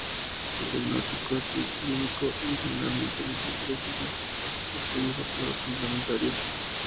El diagnóstico es clínico y generalmente no son precisos estudios o pruebas complementarias.